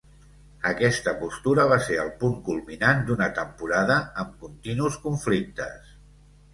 Aquesta postura va ser el punt culminant d'una temporada amb continus conflictes.